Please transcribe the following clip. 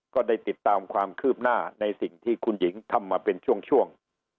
ก็ได้ติดตามความคืบหน้าในสิ่งที่คุณหญิงทำมาเป็นช่วง